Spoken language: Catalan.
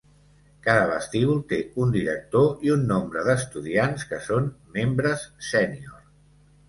Cada vestíbul té un director i un nombre d"estudiants que són membres sénior.